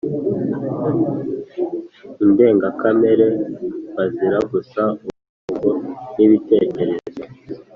indengakamere bazira gusa ubwoko n'ibitekerezo